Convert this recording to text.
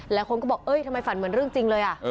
หลายคนก็บอกเอ้ยทำไมฝันเหมือนเรื่องจริงเลย